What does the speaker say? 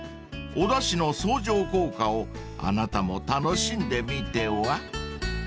［おだしの相乗効果をあなたも楽しんでみては？］